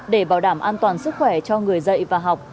để bảo đảm an toàn sức khỏe cho người dạy và học